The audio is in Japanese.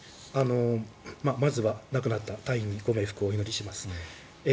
まずは亡くなった隊員にご冥福をお祈りします。